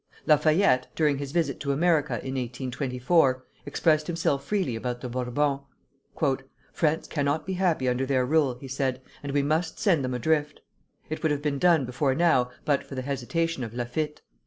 Lafayette, during his visit to America in 1824, expressed himself freely about the Bourbons. "France cannot be happy under their rule," he said; "and we must send them adrift. It would have been done before now but for the hesitation of Laffitte.